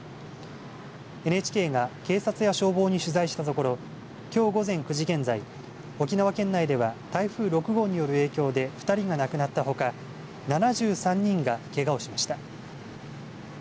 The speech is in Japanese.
ＮＨＫが警察や消防に取材したところきょう午前９時現在、沖縄県内では台風６号による影響で２人が亡くなったほか７３人がけがをしました。